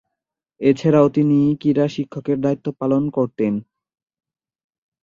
এছাড়াও তিনি ক্রীড়া শিক্ষকের দায়িত্ব পালন করতেন।